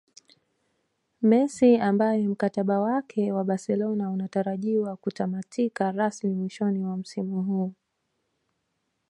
Messi ambaye mkataba wake na Barcelona unatarajiwa kutamatika rasmi mwishoni mwa msimu huu